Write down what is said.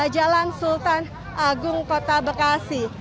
jalan sultan agung kota bekasi